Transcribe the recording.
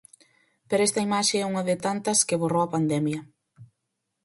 Pero esta imaxe é unha de tantas que borrou a pandemia.